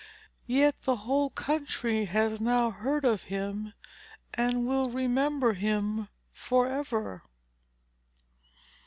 Yet the whole country has now heard of him, and will remember him forever."